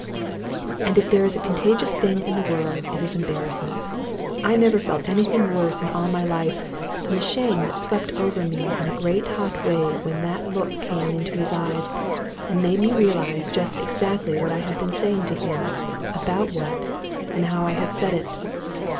And if there is a contagious thing in this world it is embarrassment. I never felt anything worse in all my life than the shame that swept over me in a great hot wave when that look came into his eyes and made me realise just exactly what I had been saying to him, about what, and how I had said it.